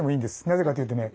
なぜかというとね